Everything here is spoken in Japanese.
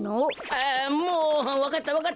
あもうわかったわかった。